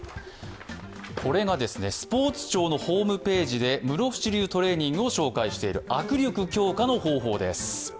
これがスポーツ庁のホームページで室伏流トレーニングを紹介している握力強化の方法です。